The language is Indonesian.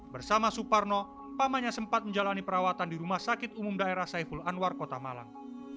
bersama suparno pamanya sempat menjalani perawatan di rumah sakit umum daerah saiful anwar kota malang